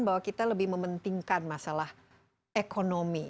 bahwa kita lebih mementingkan masalah ekonomi